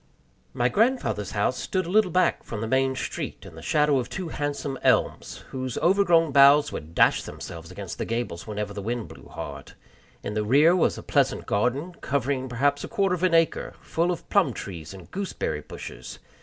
My grandfather's house stood a little back from the main street, in the shadow of two handsome elms, whose overgrown boughs would dash themselves against the gables whenever the wind blew hard. In the rear was a pleasant garden, covering perhaps a quarter of an acre, full of plum trees and gooseberry bushes.